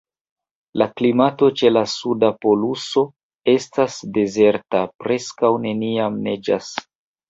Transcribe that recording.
La klimato ĉe la Suda poluso estas dezerta: preskaŭ neniam neĝas.